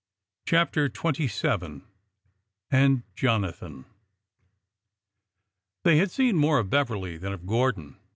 CHAPTER XXVII —AND JONATHAN ''HEY had seen more of Beverly than of Gordon.